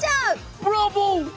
ブラボー！